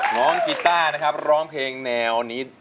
น้องกิตาร้องเพลงแนวนี้